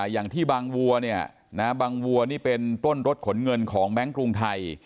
อย่างที่บางวัวเนี่ยนะบางวัวนี่เป็นปล้นรถขนเงินของแบงค์กรุงไทย